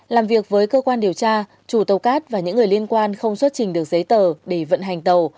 làm việc với cơ quan điều tra chủ tàu cát và những người liên quan không xuất trình được giấy tờ để vận hành tàu